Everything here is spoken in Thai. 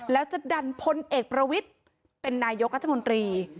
แล้วจะดันพลเอกประวิทย์เป็นนายกรัฐมนตรี